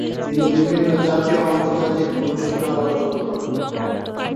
তিনি বিভিন্ন জাতীয় ও আন্তর্জাতিক পুরস্কার অর্জন করেন।